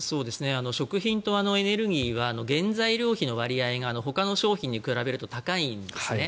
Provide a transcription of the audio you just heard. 食品とエネルギーは原材料費の割合がほかの商品に比べると高いんですね。